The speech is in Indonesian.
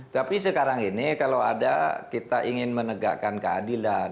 tapi sekarang ini kalau ada kita ingin menegakkan keadilan